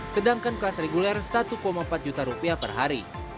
sedangkan kelas reguler satu empat juta rupiah per hari